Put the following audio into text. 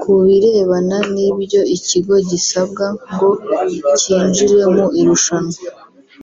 Ku birebana n’ibyo ikigo gisabwa ngo cyinjire mu irushanwa